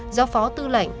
do phó tư lệnh